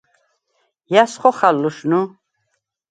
ჲა̈ს ხოხალ ლუშნუ?